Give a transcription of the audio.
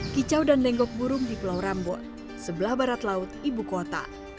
kicau dan lenggok burung di pulau rambut sebelah barat laut ibu kota